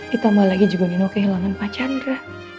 kita malah lagi jembatin nino kehilangan pak chandra